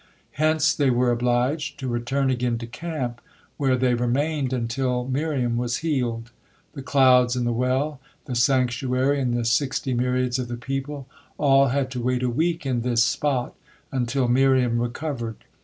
Hence they were obliged to return again to camp, where they remained until Miriam was healed. The clouds and the well, the sanctuary and the sixty myriads of the people, all had to wait a week in this spot until Miriam recovered.